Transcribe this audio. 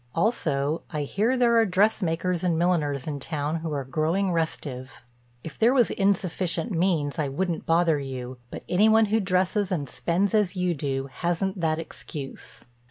Also, I hear, there are dressmakers and milliners in town who are growing restive. If there was insufficient means I wouldn't bother you, but any one who dresses and spends as you do hasn't that excuse.